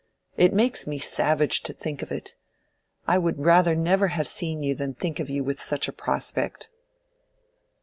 It makes me savage to think of it! I would rather never have seen you than think of you with such a prospect."